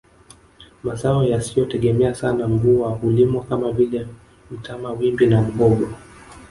Mazao yasiyotegemea sana mvua hulimwa kama vile mtama wimbi na muhogo